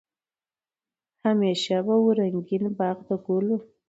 همېشه به وو رنګین باغ د ګلونو